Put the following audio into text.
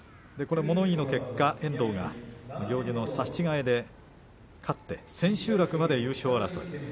物言いの結果遠藤が、行司の差し違えで勝って千秋楽まで優勝争い。